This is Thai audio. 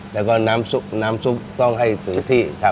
แล้วก็น้ำซุปต้องให้ถึงที่